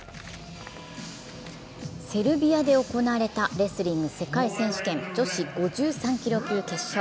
セルビアで行われたレスリング世界選手権・女子５３キロ級決勝。